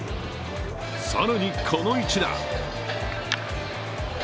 更にこの一打！